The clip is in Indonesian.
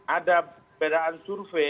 ada bedaan survei